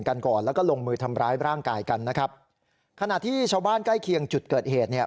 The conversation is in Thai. กันก่อนแล้วก็ลงมือทำร้ายร่างกายกันนะครับขณะที่ชาวบ้านใกล้เคียงจุดเกิดเหตุเนี่ย